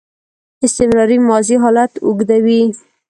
استمراري ماضي حالت اوږدوي.